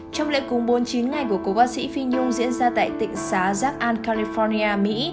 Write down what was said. trong lễ cúng bốn mươi chín ngày của cô ca sĩ phi nhung diễn ra tại tỉnh xá giác an california mỹ